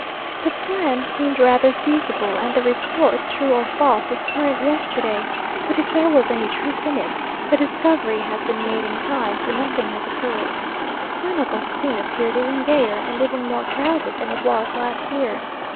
The plan seemed rather feasible, and the report, true or false, was current yesterday; but if there was any truth in it, the discovery has been made in time, for nothing has occurred. San Agustin appeared even gayer and more crowded than it was last year.